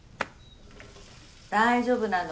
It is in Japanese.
大丈夫なの？